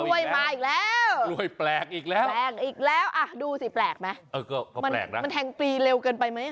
เอ้าอีกแล้วอีกแล้วดูสิแปลกมั้ยมันแทงปีเร็วเกินไปมั้ย